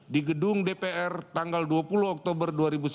di gedung dpr tanggal dua puluh oktober dua ribu sembilan belas